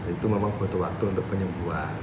itu memang butuh waktu untuk penyembuhan